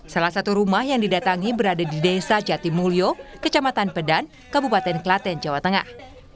salah satu rumah yang didatangi berada di desa jatimulyo kecamatan pedan kabupaten klaten jawa tengah